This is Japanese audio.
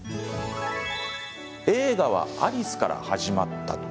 「映画はアリスから始まった」